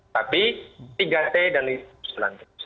tapi tiga t dan selanjutnya